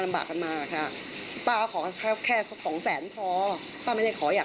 อยากให้เขาช่วยเหลือเงิน๒แสนให้กับเรา